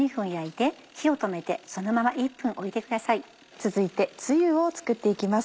続いてつゆを作って行きます。